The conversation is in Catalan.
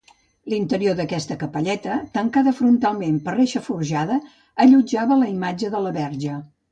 L'interior d'aquesta capelleta, tancada frontalment per reixa forjada allotjava la imatge de la verge.